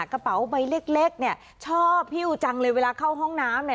กระเป๋าใบเล็กเนี่ยชอบฮิ้วจังเลยเวลาเข้าห้องน้ำเนี่ย